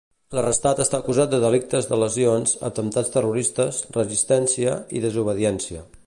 L'arrestat està acusat de delictes de lesions, atemptats terroristes, resistència i desobediència.